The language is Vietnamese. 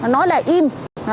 nói là im